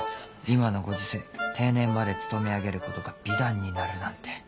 今のご時世定年まで勤め上げることが美談になるなんて